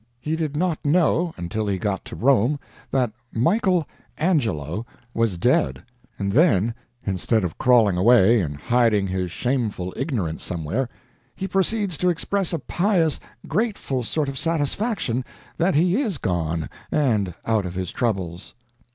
He did not know, until he got to Rome, that Michael Angelo was dead! And then, instead of crawling away and hiding his shameful ignorance somewhere, he proceeds to express a pious, grateful sort of satisfaction that he is gone and out of his troubles!